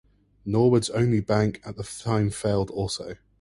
Norwood's only bank at the time failed also.